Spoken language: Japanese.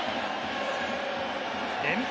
連敗